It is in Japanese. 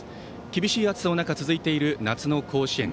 厳しい暑さの中、続いている夏の甲子園。